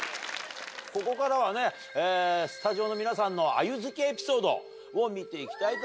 ここからはねスタジオの皆さんのあゆ好きエピソードを見ていきたいと思います。